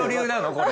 これ。